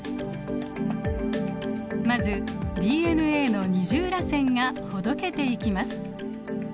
まずＤＮＡの二重らせんがほどけていきます。